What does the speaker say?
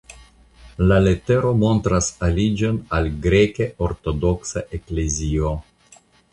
La letero montras aliĝon al Greke Ortodoksa Eklezio.